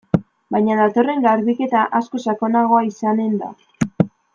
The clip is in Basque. Baina datorren garbiketa askoz sakonagoa izanen da.